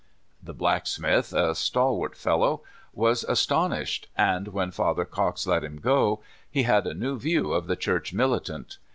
The blacksmith, a stalwart fellow, was astou ished ; and when Father Cox let him go, he had a new view of the Church militant.